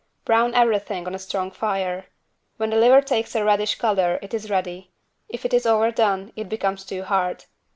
Brown everything on a strong fire. When the liver takes a reddish color it is ready. If it is overdone, it becomes too hard.